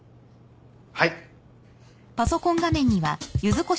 はい。